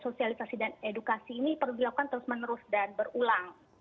sosialisasi dan edukasi ini perlu dilakukan terus menerus dan berulang